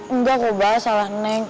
enggak kok bahas salah neng